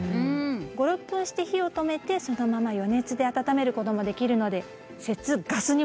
５６分して火を止めてそのまま余熱で温めることもできるので節ガスにもなります。